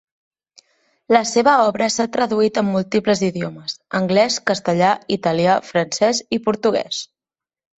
La seva obra s'ha traduït a múltiples idiomes: anglès, castellà, italià, francès i portuguès.